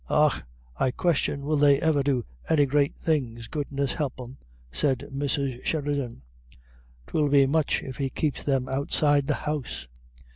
"Augh, I question will they iver do any great things, goodness help them," said Mrs. Sheridan. "'Twill be much if he keeps them outside the House."